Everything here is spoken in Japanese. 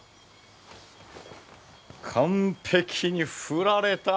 完璧に振られた。